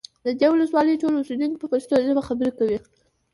د دې ولسوالۍ ټول اوسیدونکي په پښتو ژبه خبرې کوي